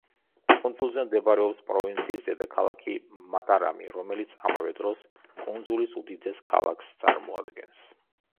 კუნძულზე მდებარეობს პროვინციის დედაქალაქი მატარამი, რომელიც ამავე დროს კუნძულის უდიდეს ქალაქსა წარმოადგენს.